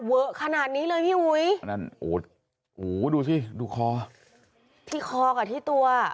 เวอะขนาดนี้เลยพี่อุ๋ยนั่นโอ้โหดูสิดูคอที่คอกับที่ตัว